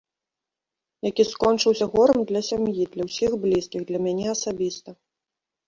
Які скончыўся горам для сям'і, для ўсіх блізкіх, для мяне асабіста.